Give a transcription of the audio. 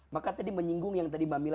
maka tadi menyinggung yang tadi mbak mila